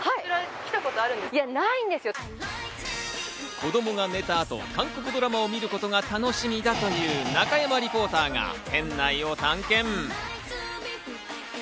子供が寝た後、韓国ドラマを見ることが楽しみだという中山リポーターが店内を探検。